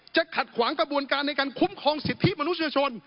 ขัดขวางกระบวนการในการคุ้มครองสิทธิมนุษยชน